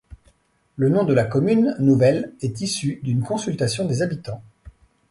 Le nom de la commune nouvelle est issu d'une consultation des habitants.